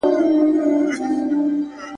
کنه ولي به مي شپه وړلای مخموره !.